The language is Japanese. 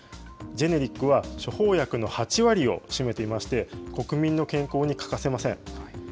ジェネリックは処方薬の８割を占めていまして、国民の健康に欠かせません。